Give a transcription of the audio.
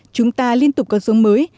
chúng ta liên tục cân sống mới